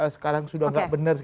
sekarang sudah enggak benar